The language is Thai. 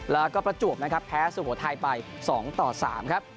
แล้วก็ประจวบนะครับแพ้สุโขทัยไป๒ต่อ๓ครับ